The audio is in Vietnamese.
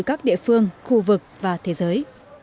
các địa phương khu vực và thế giới